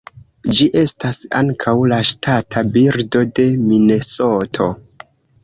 Ĝi estas ankaŭ la ŝtata birdo de Minesoto.